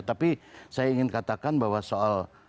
tapi saya ingin katakan bahwa soal